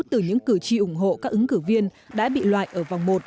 từ những cử tri ủng hộ các ứng cử viên đã bị loại ở vòng một